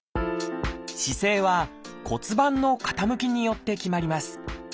姿勢は骨盤の傾きによって決まります。